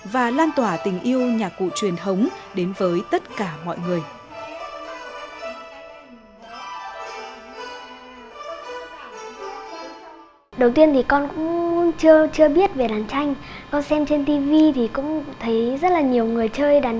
và làm cho các thành viên của câu lạc bộ đàn tranh sống trung đàn